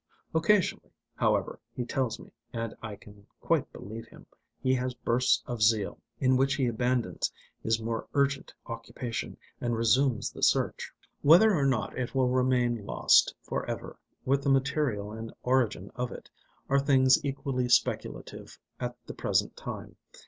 Occasionally, however, he tells me, and I can quite believe him, he has bursts of zeal, in which he abandons his more urgent occupation and resumes the search. Whether or not it will remain lost for ever, with the material and origin of it, are things equally speculative at the present time.